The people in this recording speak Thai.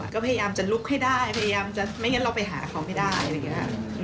ก็พยายามจะลุกให้ได้พยายามจะไม่งั้นเราไปหาเขาไม่ได้อะไรอย่างนี้